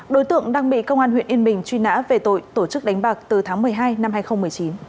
đối tượng đang bị công an huyện yên bình truy nã về tội tổ chức đánh bạc từ tháng một mươi hai năm hai nghìn một mươi chín